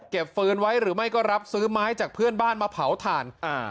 ฟืนไว้หรือไม่ก็รับซื้อไม้จากเพื่อนบ้านมาเผาถ่าน